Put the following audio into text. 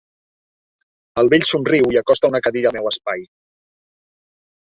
El vell somriu i acosta una cadira al meu espai.